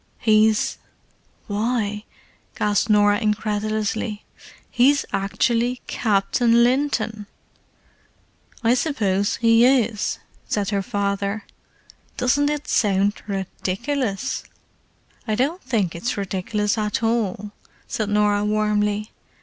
"He's—why," gasped Norah incredulously—"he's actually Captain Linton!" "I suppose he is," said her father. "Doesn't it sound ridiculous!" "I don't think it's ridiculous at all," said Norah warmly.